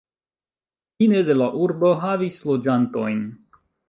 Fine de la urbo havis loĝantojn.